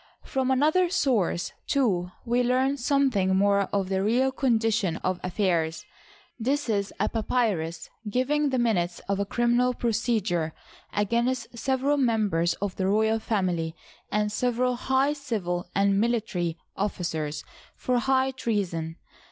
From another source, too, we learn something more of the real condition of affairs. This is a papyrus giving the minutes of a criminal procedure against several members of the royal family and several nigh civil and military officers for high treason.